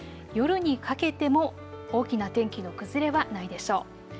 夜にかけても大きな天気の崩れはないでしょう。